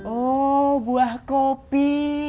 oh buah kopi